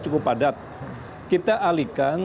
cukup padat kita alihkan